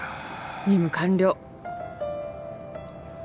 任務完了。